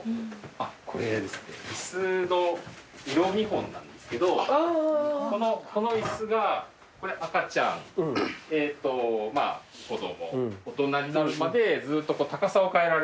あっこれですね椅子の色見本なんですけどこの椅子が赤ちゃん子供大人になるまでずっと高さを変えられて。